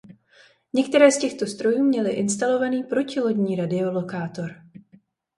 Některé z těchto strojů měly instalovaný protilodní radiolokátor.